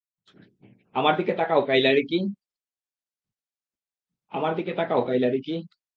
আমার দিকে তাকাও কাইলা রিকি?